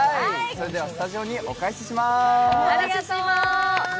それではスタジオにお返しします。